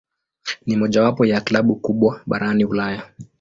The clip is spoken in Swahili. Ni mojawapo ya klabu kubwa barani Ulaya.